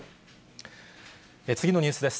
次のニュースです。